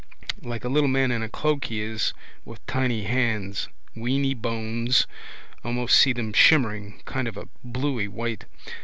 Like a little man in a cloak he is with tiny hands. Weeny bones. Almost see them shimmering, kind of a bluey white.